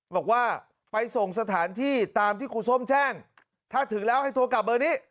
บอกว่าไปส่งสถานที่ตามที่ครูส้มแจ้งถ้าถึงแล้วให้โทรกลับเบอร์นี้